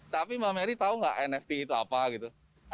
tapi mbak mary tahu nggak nft itu apa gitu